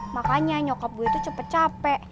makanya nyokap gue itu cepet capek